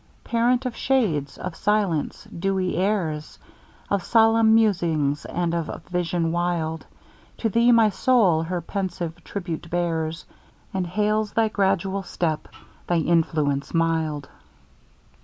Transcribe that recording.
Parent of shades! of silence! dewy airs! Of solemn musing, and of vision wild! To thee my soul her pensive tribute bears, And hails thy gradual step, thy influence mild.